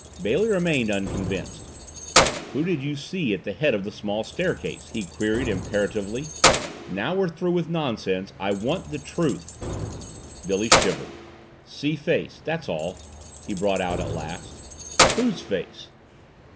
Bailey remained unconvinced. "Who did you see at the head of the small staircase?" he queried imperatively. "Now we're through with nonsense; I want the truth!" Billy shivered. "See face that's all," he brought out at last. "Whose face?"